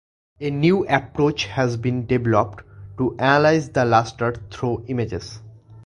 A new approach has been developed to analyze the luster through images.